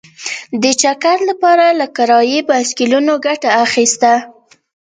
د چکر لپاره له کرايي بایسکلونو ګټه اخیسته.